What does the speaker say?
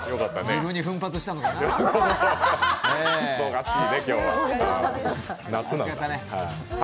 自分に奮発したのかな。